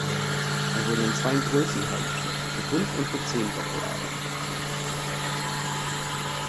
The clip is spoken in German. Er wurde in zwei Größen hergestellt, für fünf und für zehn Doppeladern.